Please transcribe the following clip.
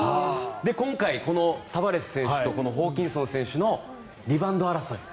今回、このタバレス選手とホーキンソン選手のリバウンド争い。